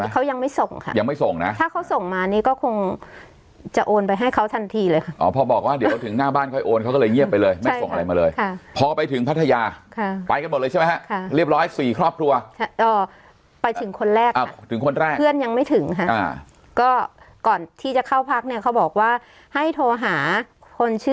เขายังไม่ส่งค่ะยังไม่ส่งนะถ้าเขาส่งมานี่ก็คงจะโอนไปให้เขาทันทีเลยค่ะอ๋อพอบอกว่าเดี๋ยวถึงหน้าบ้านค่อยโอนเขาก็เลยเงียบไปเลยไม่ส่งอะไรมาเลยค่ะพอไปถึงพัทยาค่ะไปกันหมดเลยใช่ไหมฮะค่ะเรียบร้อยสี่ครอบครัวไปถึงคนแรกอ่าถึงคนแรกเพื่อนยังไม่ถึงค่ะอ่าก็ก่อนที่จะเข้าพักเนี่ยเขาบอกว่าให้โทรหาคนชื่อ